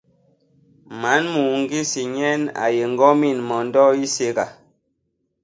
Man Muu-Ngisi nyen a yé Ngomin mondo i Séga.